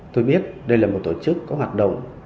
tôi biết đây là một tổ chức có hoạt động